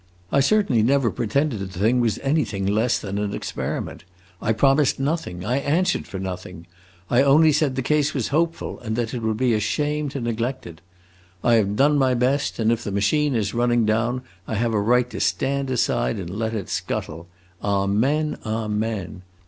I certainly never pretended the thing was anything else than an experiment; I promised nothing, I answered for nothing; I only said the case was hopeful, and that it would be a shame to neglect it. I have done my best, and if the machine is running down I have a right to stand aside and let it scuttle. Amen, amen!